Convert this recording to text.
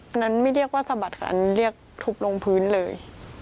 อันนั้นไม่เรียกว่าสะบัดกันเรียกทุบลงพื้นเลย